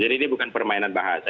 jadi ini bukan permainan bahasa